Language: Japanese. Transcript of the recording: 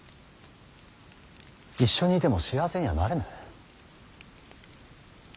一緒にいても幸せにはなれぬ。